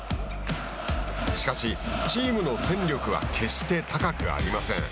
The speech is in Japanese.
しかし、チームの戦力は決して高くありません。